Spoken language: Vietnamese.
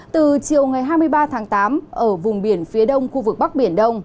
từ chiều ngày hai mươi ba tháng tám ở vùng biển phía đông khu vực bắc biển đông